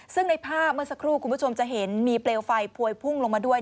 ซึ่งในภาพเมื่อสักครู่คุณผู้ชมจะเห็นมีเปลวไฟพวยพุ่งลงมาด้วย